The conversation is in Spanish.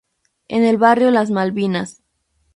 En el barrio Las Malvinas.